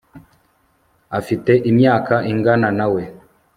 afite imyaka ingana nawe